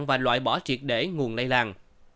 và loại bỏ triệt để nguồn lây lan